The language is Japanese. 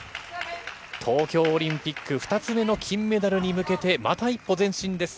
東京オリンピック２つ目の金メダルに向けて、また一歩前進です。